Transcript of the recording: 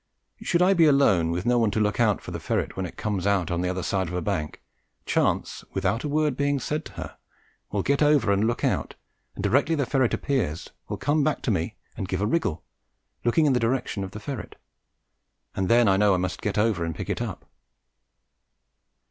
Should I be alone, with no one to look out for the ferret when it comes out on the other side of a bank, Chance without a word being said to her will get over and look out, and directly the ferret appears will come back to me and give a wriggle, looking in the direction of the ferret, and then I know I must get over and pick it up.